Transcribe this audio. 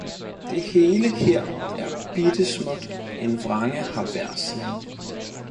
Det hele her er bitte småt, en vrange har hver side